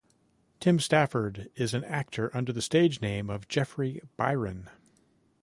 Tim Stafford is an actor under the stage name of Jeffrey Byron.